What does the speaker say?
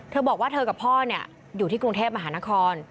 เธอบอกว่าเธอกับพ่ออยู่ที่กรุงเทพมหานคร